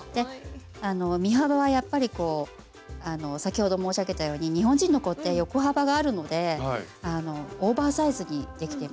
身幅はやっぱりこう先ほど申し上げたように日本人の子って横幅があるのでオーバーサイズにできています。